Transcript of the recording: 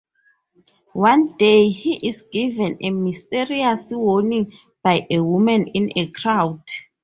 One day, he is given a mysterious warning by a woman in a crowd.